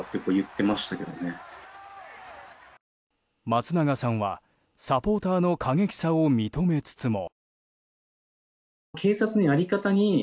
松永さんは、サポーターの過激さを認めつつも。